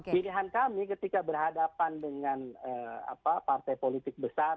pilihan kami ketika berhadapan dengan partai politik besar